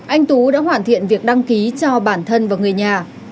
anh tú đã hoàn thiện việc đăng ký cho bản thân và người nhà